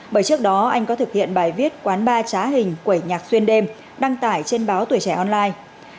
bởi trước đó anh có thực hiện bài viết quán ba trá hình quẩy nhạc xuyên đêm đăng tải trên báo tuổi trẻ online